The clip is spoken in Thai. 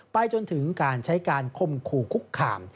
ไปจนถึงการใช้การคมขู่คุกคาม